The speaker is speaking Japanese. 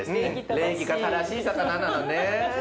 礼儀が正しい魚なのね。